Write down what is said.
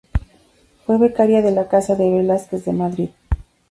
Fue becaria de la Casa de Velázquez de Madrid.